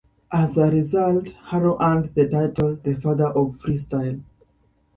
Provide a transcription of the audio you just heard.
As a result, Haro earned the title "The Father of Freestyle".